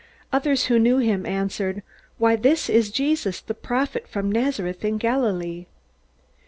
Others who knew him answered, "Why, this is Jesus, the prophet from Nazareth in Galilee."